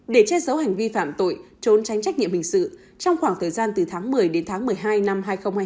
để che giấu hành vi phạm tội trốn tránh trách nhiệm hình sự trong khoảng thời gian từ tháng một mươi đến tháng một mươi hai năm hai nghìn hai mươi